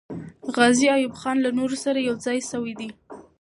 غازي ایوب خان له نورو سره یو ځای سوی دی.